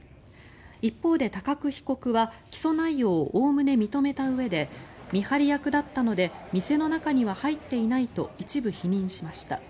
一方で高久被告は起訴内容をおおむね認めたうえで見張り役だったので店の中には入っていないと一部否認しました。